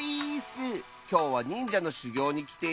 きょうはにんじゃのしゅぎょうにきているよ！